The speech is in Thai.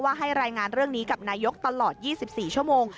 ให้รายงานเรื่องนี้กับนายกตลอด๒๔ชั่วโมง